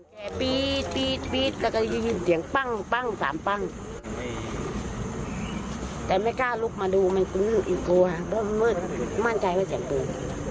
เห็นไฟลูกสูงให้พึงมาดู